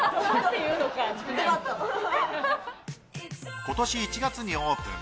今年１月にオープン。